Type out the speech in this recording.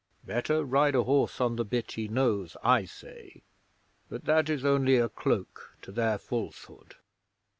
(Better ride a horse on the bit he knows, I say!) But that is only a cloak to their falsehood."